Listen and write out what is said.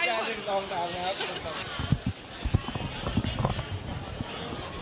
ยิ็ดมิดแต่นะครับ